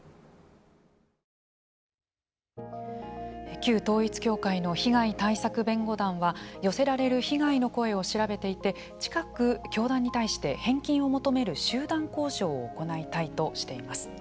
旧統一教会の被害対策弁護団は寄せられる被害の声を調べていて近く教団に対して返金を求める集団交渉を行いたいとしています。